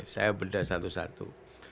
saya berita satu satu